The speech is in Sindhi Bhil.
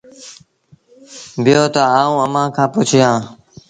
بيٚهو تا آئوٚݩ اَمآݩ کآݩ پُڇي آن۔